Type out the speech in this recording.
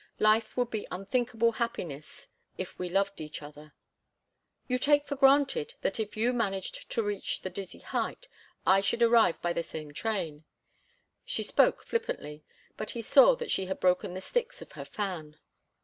Life would be unthinkable happiness if we loved each other—" "You take for granted that if you managed to reach the dizzy height, I should arrive by the same train." She spoke flippantly, but he saw that she had broken the sticks of her fan.